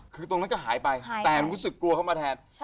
คือตรงนั้นก็หายไปแต่มันรู้สึกกลัวเข้ามาแทน